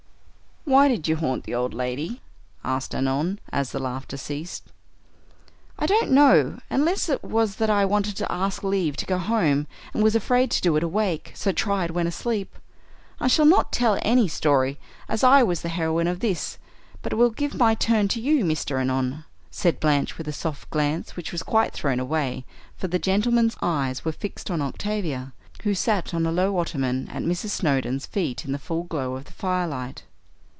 "Why did you haunt the old lady?" asked Annon, as the laughter ceased. "I don't know, unless it was that I wanted to ask leave to go home, and was afraid to do it awake, so tried when asleep. I shall not tell any story, as I was the heroine of this, but will give my turn to you, Mr. Annon," said Blanche, with a soft glance, which was quite thrown away, for the gentleman's eyes were fixed on Octavia, who sat on a low ottoman at Mrs. Snowdon's feet in the full glow of the firelight.